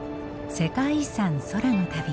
「世界遺産空の旅」。